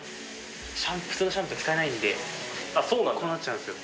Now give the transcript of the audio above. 普通のシャンプー使えないんでこうなっちゃうんですよ。